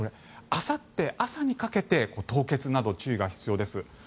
あさって朝にかけて凍結など注意が必要です。